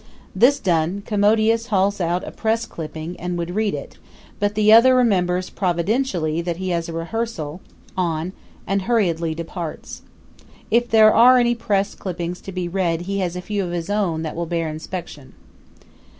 This done, Commodius hauls out a press clipping and would read it, but the other remembers providentially that he has a rehearshal on and hurriedly departs. If there are any press clippings to be read he has a few of his own that will bear inspection.